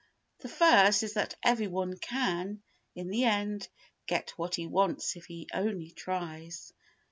The first is that every one can, in the end, get what he wants if he only tries.